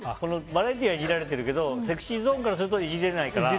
バラエティーではイジられてるけどＳｅｘｙＺｏｎｅからするとイジれないから。